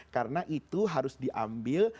karena itu harus diambil